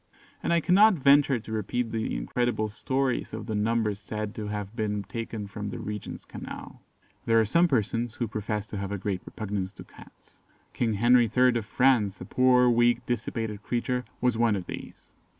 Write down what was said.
And I cannot venture to repeat the incredible stories of the numbers said to have been taken from the Regent's Canal. There are some persons who profess to have a great repugnance to Cats. King Henry III. of France, a poor, weak, dissipated creature, was one of these.